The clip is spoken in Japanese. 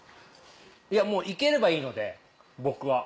いやもう行ければいいので僕は。